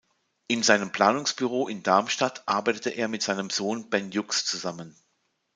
In seinem Planungsbüro in Darmstadt arbeitete er mit seinem Sohn Ben Jux zusammen.